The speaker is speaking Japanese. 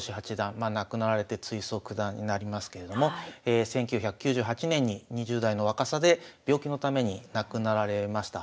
まあ亡くなられて追贈九段になりますけれども１９９８年に２０代の若さで病気のために亡くなられました。